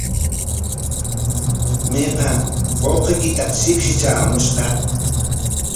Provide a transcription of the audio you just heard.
¿Mayqa wawqiykitaq shipshi traamushqa?